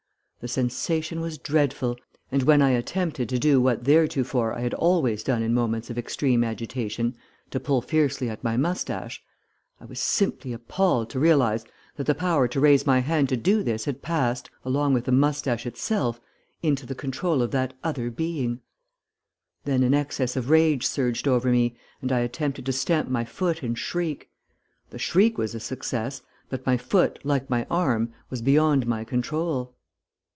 The sensation was dreadful, and when I attempted to do what theretofore I had always done in moments of extreme agitation to pull fiercely at my moustache I was simply appalled to realize that the power to raise my hand to do this had passed, along with the moustache itself, into the control of that other being. Then an access of rage surged over me, and I attempted to stamp my foot and shriek. The shriek was a success, but my foot like my arm was beyond my control.